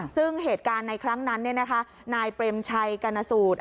ซึ่งเหตุการณ์ในครั้งนั้นนายเปรมชัยกรณสูตร